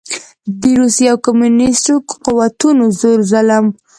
د روسي او کميونسټو قوتونو زور ظلم